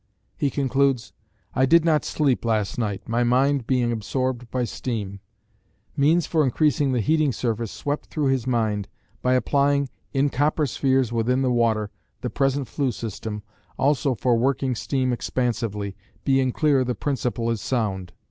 He concludes, "I did not sleep last night, my mind being absorbed by steam." Means for increasing the heating surface swept through his mind, by applying "in copper spheres within the water," the present flue system, also for working steam expansively, "being clear the principle is sound."